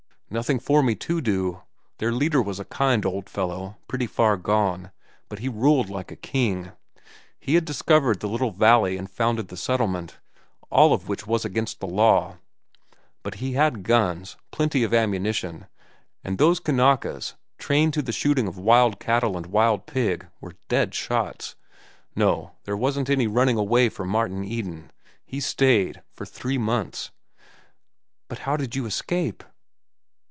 "Nothing for me to do. Their leader was a kind old fellow, pretty far gone, but he ruled like a king. He had discovered the little valley and founded the settlement—all of which was against the law. But he had guns, plenty of ammunition, and those Kanakas, trained to the shooting of wild cattle and wild pig, were dead shots. No, there wasn't any running away for Martin Eden. He stayed—for three months." "But how did you escape?"